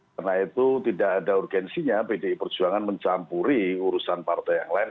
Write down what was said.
karena itu tidak ada urgensinya pdi perjuangan mencampuri urusan partai yang lain